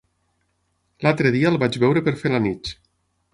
L'altre dia el vaig veure per Felanitx.